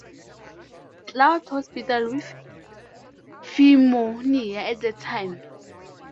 Cloud hospital with pneumonia at the time.